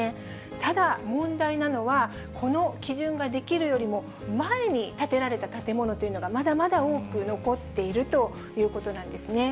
ただ、問題なのは、この基準が出来るよりも前に建てられた建物というのが、まだまだ多く残っているということなんですね。